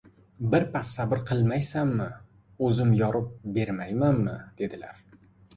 «Birpas sabr qilmaysanmi, o‘zim yorib bermaymanmi», dedilar.